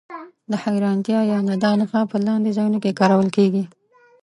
د حېرانتیا یا ندا نښه په لاندې ځایونو کې کارول کیږي.